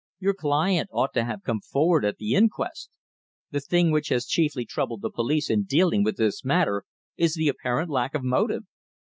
Your client ought to have come forward at the inquest. The thing which has chiefly troubled the police in dealing with this matter is the apparent lack of motive."